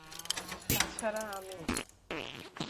তাছাড়া, আমি।